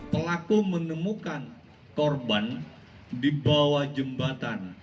pelaku menemukan korban di bawah jembatan